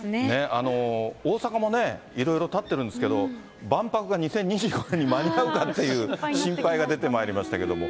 大阪もね、いろいろ建ってるんですけど、万博が２０２５年に間に合うかっていう心配が出てまいりましたけども。